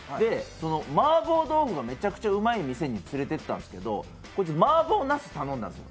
マーボー豆腐がめちゃめちゃうまい店につれていったんですけどこいつマーボーナス頼んだんですよ。